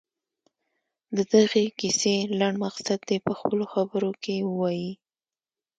د دغې کیسې لنډ مقصد دې په خپلو خبرو کې ووايي.